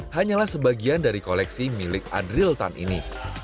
hanyalah sebagian dari koleksi milik adril tan ini